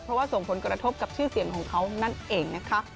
เพราะว่าส่งผลกระทบกับชื่อเสียงของเขานั่นเองนะคะ